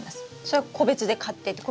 それは個別で買って。